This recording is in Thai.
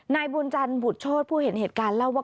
นายบุญจันทร์บุฒโชฆภูมิเหตุการณ์เล่าว่า